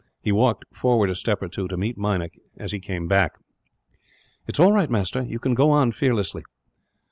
He walked forward a step or two to meet Meinik, as he came back. "It is all right, master; you can go on fearlessly."